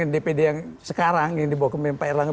dpd yang sekarang yang dibawa ke pak erlangga